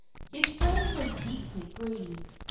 His friend was deeply grieved.